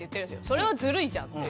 それはずるいじゃんって。